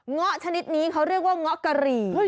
ง๊อชนิดนี้เขาเรียกว่าง๊อกรี